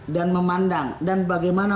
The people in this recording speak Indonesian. dan memandang dan bagaimana